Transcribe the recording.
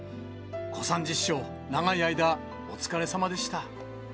小三治師匠、長い間、お疲れさまでした。